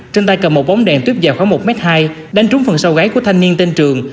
trên tay cầm một bóng đèn tuyếp dài khoảng một m hai đánh trúng phần sau gáy của thanh niên tên trường